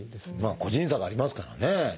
個人差がありますからね。